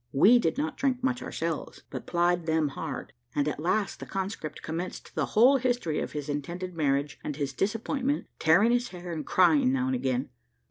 We did not drink much ourselves, but plied them hard, and at last the conscript commenced the whole history of his intended marriage and his disappointment, tearing his hair, and crying now and then.